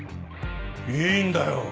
いいんだよ